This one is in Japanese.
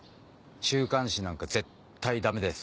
週刊誌なんか絶対ダメです。